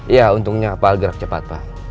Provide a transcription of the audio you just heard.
ya untungnya pak al gerak cepat pak